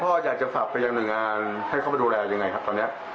พ่ออยากจะฝากไปยังหน่วยงานให้เขาไปดูแลยังไงครับตอนนี้